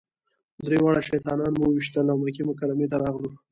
درې واړه شیطانان مو وويشتل او مکې مکرمې ته راغلو.